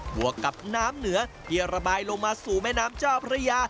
วกกับน้ำเหนือที่ระบายลงมาสู่แม่น้ำเจ้าพระยา